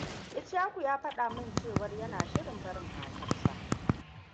Ishaku ya faɗa min cewar yana shirin barin matar sa.